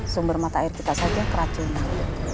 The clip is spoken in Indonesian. sumber mata air kita saja keracunan